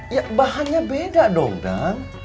ya bahannya beda dong kan